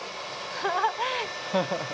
ハハハッ。